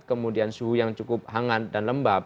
kemudian suhu yang cukup hangat dan lembab